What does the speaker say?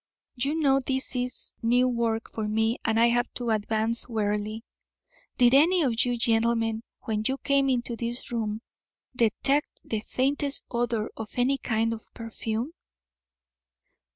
You know this is new work for me and I have to advance warily. Did any of you gentlemen, when you came into this room, detect the faintest odour of any kind of perfume?"